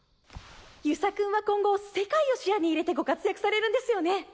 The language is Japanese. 遊佐君は今後世界を視野に入れてご活躍されるんですよね。